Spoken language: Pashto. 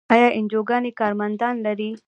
آیا انجیوګانې کارمندان لري؟